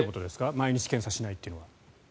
毎日検査しないというのは。